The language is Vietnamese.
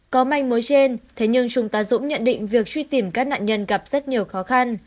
có manh mối trên thế nhưng chúng ta dũng nhận định việc truy tìm các nạn nhân gặp rất nhiều khó khăn